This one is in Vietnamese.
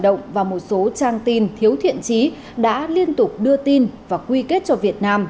động và một số trang tin thiếu thiện trí đã liên tục đưa tin và quy kết cho việt nam